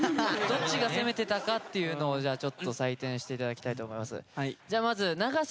どっちが攻めてたかっていうのをじゃあちょっと採点していただきたいと思います。